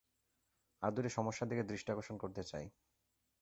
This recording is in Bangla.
আর দুটি সমস্যার দিকে দৃষ্টি আকর্ষণ করতে চাই।